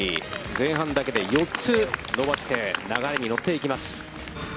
前半だけで４つ伸ばして流れに乗っていきます。